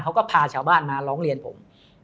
เขาก็พาชาวบ้านมาร้องเรียนผม